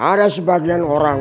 ada sebagian orang